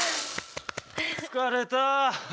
疲れた！